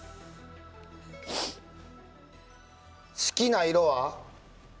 好きな色は？